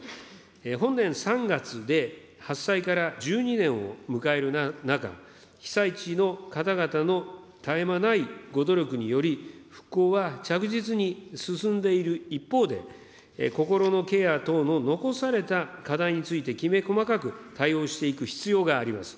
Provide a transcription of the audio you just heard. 本年３月で発災から１２年を迎える中、被災地の方々の絶え間ないご努力により、復興は着実に進んでいる一方で、心のケア等の残された課題について、きめ細かく対応していく必要があります。